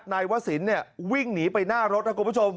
นายวะสินเนี่ยวิ่งหนีไปหน้ารถครับคุณผู้ชม